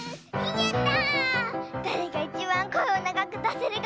やった！